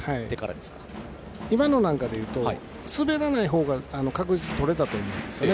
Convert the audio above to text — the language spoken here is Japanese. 今のなんかでいうと滑らないほうが確実にとれたと思うんですよね